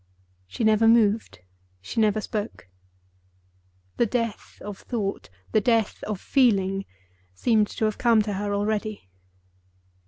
She never moved, she never spoke. The death of thought, the death of feeling, seemed to have come to her already.